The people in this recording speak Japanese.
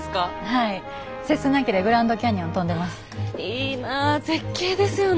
いいなぁ絶景ですよね。